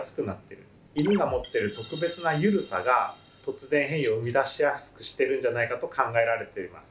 イヌが持ってる特別な緩さが突然変異を生み出しやすくしてるんじゃないかと考えられています。